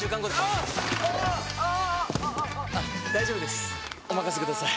ニャー大丈夫ですおまかせください！